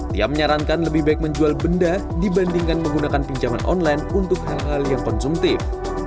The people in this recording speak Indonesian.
tia menyarankan lebih baik menjual benda dibandingkan menggunakan pinjaman online untuk hal hal yang konsumtif